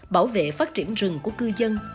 bảo vệ phát triển rừng của cư dân